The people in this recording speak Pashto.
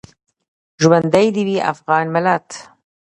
ژوندی دې وي افغان ملت؟